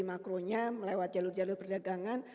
dari makronya melewat jalur jalur perdagangan